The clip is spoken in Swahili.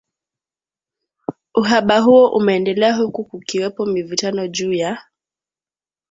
uhaba huo umeendelea huku kukiwepo mivutano juu ya